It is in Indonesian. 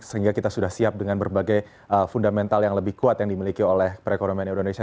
sehingga kita sudah siap dengan berbagai fundamental yang lebih kuat yang dimiliki oleh perekonomian indonesia